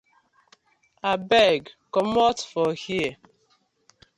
Abeg comot for here.